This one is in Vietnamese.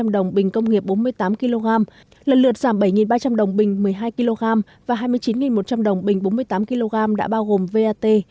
một bảy trăm chín mươi năm hai trăm linh đồng bình công nghiệp bốn mươi tám kg lần lượt giảm bảy ba trăm linh đồng bình một mươi hai kg và hai mươi chín một trăm linh đồng bình bốn mươi tám kg đã bao gồm vat